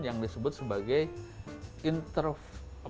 yang disebut sebagai intervene